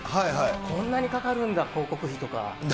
こんなにかかるんだ、広告費とか。